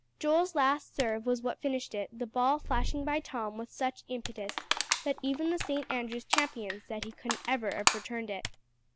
Joel's last serve was what finished it; the ball flashing by Tom with such impetus, that even the St. Andrew's champion said he couldn't ever have returned it.